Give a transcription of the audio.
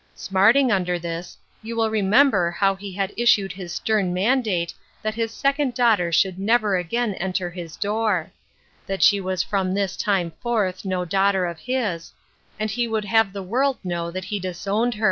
Smart ing under this, you will remember how he had issued his stern mandate that his second daughter should never again enter his door; that she was from this time forth no daughter of his, and he would have the world know that he disowned her.